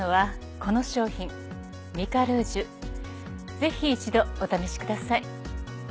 ぜひ一度お試しください。